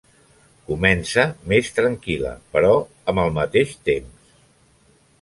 Comença més tranquil·la, però amb el mateix temps.